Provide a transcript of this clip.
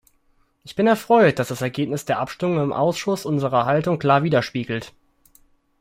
Ich bin erfreut, dass das Ergebnis der Abstimmung im Ausschuss unsere Haltung klar widerspiegelt.